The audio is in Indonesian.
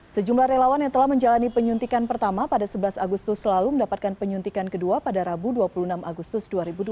sejumlah relawan yang telah menjalani penyuntikan pertama pada sebelas agustus lalu mendapatkan penyuntikan kedua pada rabu dua puluh enam agustus dua ribu dua puluh